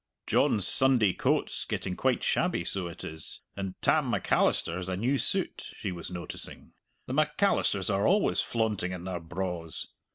"John's Sunday coat's getting quite shabby, so it is, and Tam Macalister has a new suit, she was noticing the Macalisters are always flaunting in their braws!